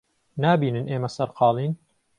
نابینن ئێمە سەرقاڵین؟